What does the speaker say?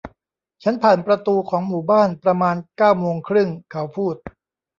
ฉันผ่านประตูของหมู่บ้านประมาณเก้าโมงครึ่ง เขาพูด